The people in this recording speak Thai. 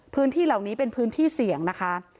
พื้นที่เหล่านี้เป็นพื้นที่เสี่ยงนะคะ